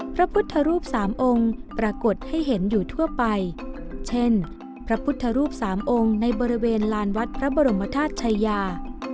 พระพุทธรูปสามองค์ปรากฏให้เห็นอยู่ทั่วไปเช่นพระพุทธรูปสามองค์ในบริเวณลานวัดพระบรมธาตุชายา